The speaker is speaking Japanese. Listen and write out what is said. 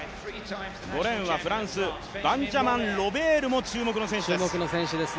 ５レーンはフランスバンジャマン・ロベールも注目の選手です。